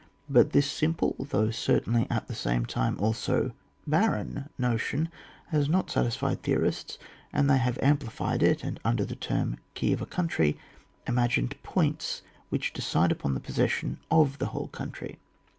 But this simple, though certainly at the same time also, barren notion has not satisfied theorists, and they have amplified it, and under the term key of a country imagined points which decide upon the possession of the whole country.